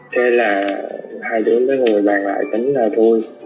thế là hai đứa mới ngồi bàn lại tính là thôi